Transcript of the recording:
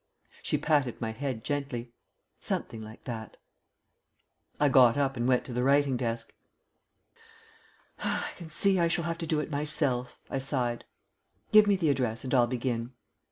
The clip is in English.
'" She patted my head gently. "Something like that." I got up and went to the writing desk. "I can see I shall have to do it myself," I sighed. "Give me the address and I'll begin."